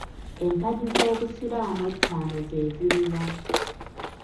Empagi z'Obusiraamu ettaano ze ziri wa?